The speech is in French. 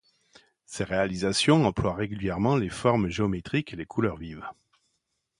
Ses réalisations emploient régulièrement les formes géométriques et les couleurs vives.